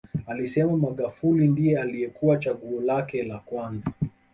Alisema Magufuli ndiye aliyekuwa chaguo lake la kwanza